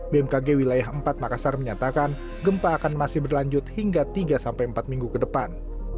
bmkg wilayah empat makassar menyatakan gempa akan masih berlanjut hingga tiga sampai empat minggu ke depan